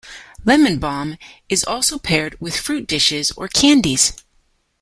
Lemon balm is also paired with fruit dishes or candies.